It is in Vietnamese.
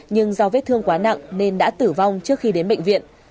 nhưng do vết thương quá nặng nên đã tử vong trước khi đến bệnh viện